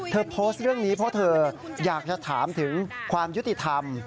โพสต์เรื่องนี้เพราะเธออยากจะถามถึงความยุติธรรม